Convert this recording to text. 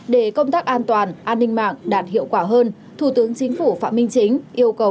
để công tác an toàn an ninh mạng đạt hiệu quả hơn thủ tướng chính phủ phạm minh chính yêu cầu